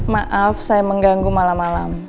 maaf saya mengganggu malam malam